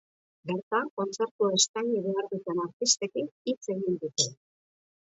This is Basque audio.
Bertan, kontzertua eskaini behar duten artistekin hitz egin dute.